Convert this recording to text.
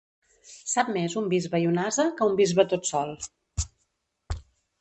Sap més un bisbe i un ase que un bisbe tot sol.